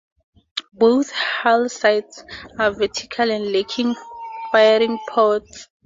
Both hull sides are vertical and lack firing ports.